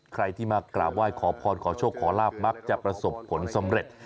ใครที่มากราบไหว้ขอพรขอโชคขอลาบมักจะประสบผลสำเร็จ